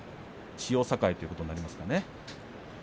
千代栄ということになりますね。